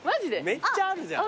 めっちゃあるじゃん。